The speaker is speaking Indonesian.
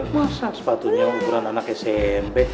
masak sepatunya ukuran anak smp